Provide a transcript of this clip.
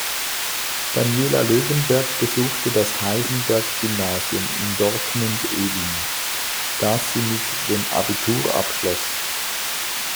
Daniela Löwenberg besuchte das „Heisenberg-Gymnasium“ in Dortmund-Eving, das sie mit dem Abitur abschloss.